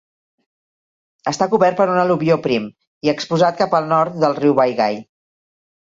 Està cobert per un al·luvió prim i exposat cap al nord del riu Vaigai.